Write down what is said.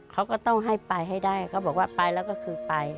เขาก็ต้องให้ไปให้ได้เขาบอกว่าไปแล้วก็คือไป